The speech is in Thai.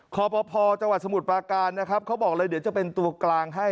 คอปภจังหวัดสมุทรปราการนะครับเขาบอกเลยเดี๋ยวจะเป็นตัวกลางให้